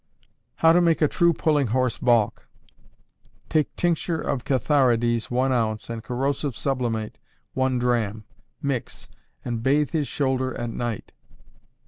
How to make a true pulling horse baulk. Take tincture of cantharides one ounce, and corrosive sublimate one drachm; mix, and bathe his shoulder at night.